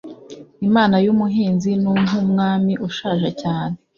Imana yumuhinzi ni nkumwami ushaje cyane